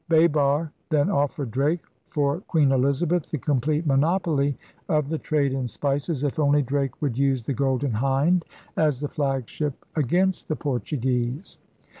Baber then offered Drake, for Queen Elizabeth, the complete monopoly of the trade in spices if only Drake would use the Golden Hind as the flagship against the Portuguese.